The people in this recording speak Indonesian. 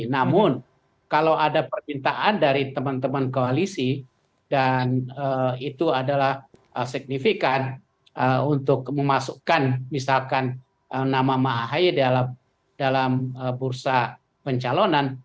namun kalau ada permintaan dari teman teman koalisi dan itu adalah signifikan untuk memasukkan misalkan nama mah ahaya dalam bursa pencalonan